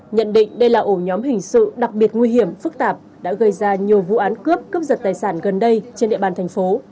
nhận định đây là ổ nhóm hình sự đặc biệt nguy hiểm phức tạp đã gây ra nhiều vụ án cướp cướp giật tài sản gần đây trên địa bàn thành phố